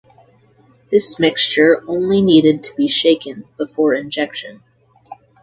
This mixture only needed to be shaken before injection.